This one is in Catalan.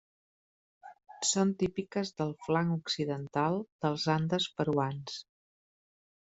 Són típiques del flanc occidental dels Andes peruans.